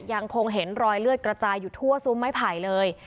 ยังคงเห็นรอยเลือดกระจายอยู่ทั่วซุ้มไม้ไผ่เลย